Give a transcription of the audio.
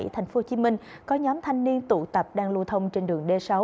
thành phố hồ chí minh có nhóm thanh niên tụ tập đang lưu thông trên đường d sáu